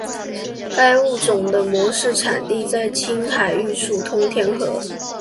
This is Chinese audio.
该物种的模式产地在青海玉树通天河。